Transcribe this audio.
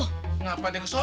kenapa dia ke sana